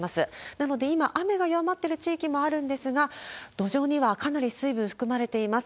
なので、今、雨が弱まっている地域もあるんですが、土壌にはかなり水分含まれています。